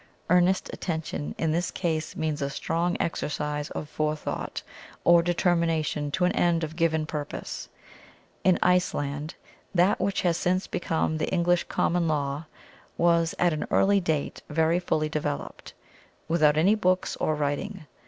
Earnest attention in this case means a strong exercise of forethought, or determination to an end or given purpose. In Iceland, that which has since become the English common law, was at an early date very fully developed, without any books or writing.